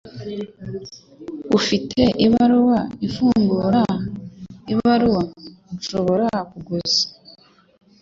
Ufite ibaruwa ifungura ibaruwa nshobora kuguza?